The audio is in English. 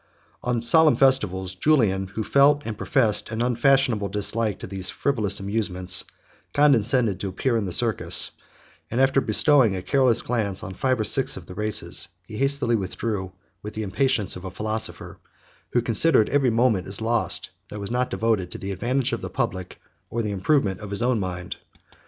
On solemn festivals, Julian, who felt and professed an unfashionable dislike to these frivolous amusements, condescended to appear in the Circus; and after bestowing a careless glance at five or six of the races, he hastily withdrew with the impatience of a philosopher, who considered every moment as lost that was not devoted to the advantage of the public or the improvement of his own mind.